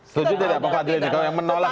setuju tidak pak fadlian kalau yang menolak